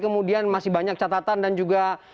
kemudian masih banyak catatan dan juga